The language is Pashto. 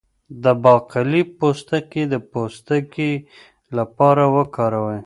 د باقلي پوستکی د پوستکي لپاره وکاروئ